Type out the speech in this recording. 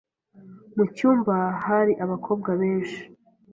Mucyumba hari abakobwa benshi.